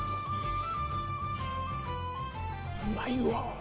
うまいわ。